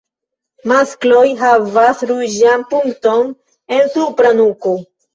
Maskloj havas ruĝan punkton en supra nuko.